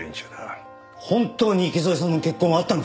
本当に池添さんの血痕はあったのか？